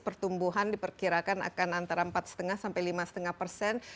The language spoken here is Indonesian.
pertumbuhan diperkirakan akan antara empat lima sampai lima lima persen